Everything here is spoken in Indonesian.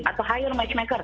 atau higher matchmaker